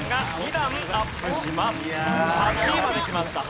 ８位まできました。